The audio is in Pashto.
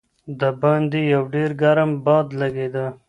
د باندې یو ډېر ګرم باد لګېده.